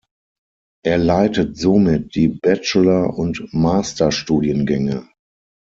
Er leitet somit die Bachelor- und Masterstudiengänge.